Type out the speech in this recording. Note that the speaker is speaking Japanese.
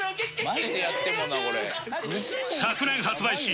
昨年発売し